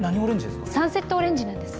サンセットオレンジなんです。